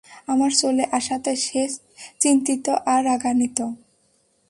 আমার চলে আসাতে সে চিন্তিত আর রাগান্বিত?